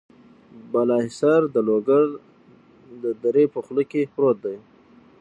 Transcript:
بالا حصار د لوګر د درې په خوله کې پروت دی.